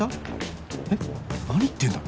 えっ何言ってんだ？